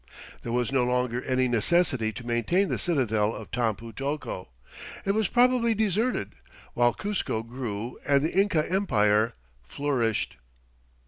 There was no longer any necessity to maintain the citadel of Tampu tocco. It was probably deserted, while Cuzco grew and the Inca Empire flourished.